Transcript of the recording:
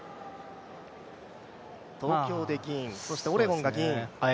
東京で銀、オレゴンが銀。